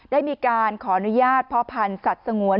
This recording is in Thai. ได้มีการขออนุญาตพ่อพันธุ์สัตว์สงวน